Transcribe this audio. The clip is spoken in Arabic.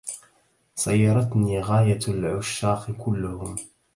صيرتني غاية العشاق كلهم